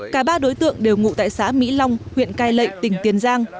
cả ba đối tượng đều ngụ tại xã mỹ long huyện cai lệ tỉnh tiền giang